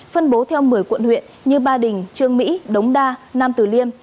phân bố theo một mươi quận huyện như ba đình trương mỹ đống đa nam tử liêm